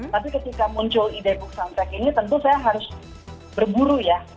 tapi ketika muncul ide book soundtrack ini tentu saya harus berburu ya